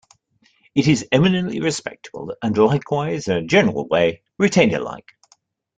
It is eminently respectable, and likewise, in a general way, retainer-like.